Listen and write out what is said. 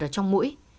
ở trong mũi